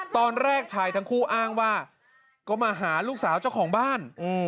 ตอนแรกชายทั้งคู่อ้างว่าก็มาหาลูกสาวเจ้าของบ้าน